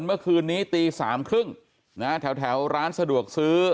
เมื่อคืนนี้ตีสามครึ่งนะฮะแถวแถวร้านสะดวกซื้อ